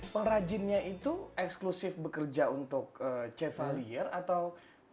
pengrajinnya itu eksklusif bekerja untuk sepatu